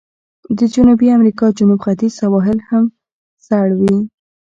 د جنوبي امریکا جنوب ختیځ سواحل هم سړ وي.